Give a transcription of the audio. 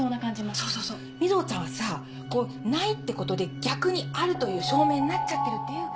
そうそうそう瑞穂ちゃんはさないってことで逆にあるという証明になっちゃってるっていうか。